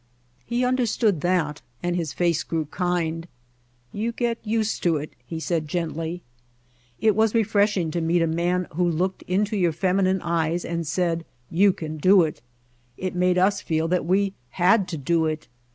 He understood that and his face grew kind. "You get used to it," he said gently. It was refreshing to meet a man who looked into your feminine eyes and said : "You can do it." It made us feel that we had to do it.